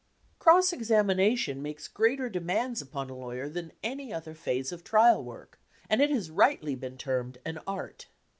Cross examination makes greater demands upon a lawyer than any other phase of trial work, and it has been rightly termed an art.